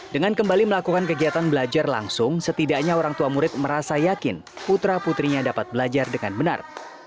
dengan kembali melakukan kegiatan belajar langsung setidaknya orang tua murid merasa yakin putra putrinya dapat belajar dengan benar